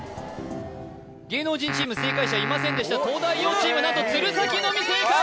芸能人チーム正解者いませんでした東大王チーム何と鶴崎のみ正解！